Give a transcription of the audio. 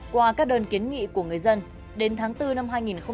qua các đơn kiến nghị của người dân đến tháng bốn năm hai nghìn một mươi tám